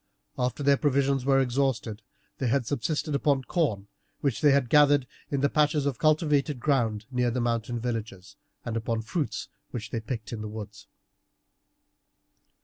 After their provisions were exhausted they had subsisted upon corn which they gathered in the patches of cultivated ground near the mountain villages, and upon fruits which they picked in the woods.